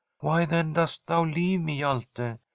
* Why, then, dost thou leave me, Hjalte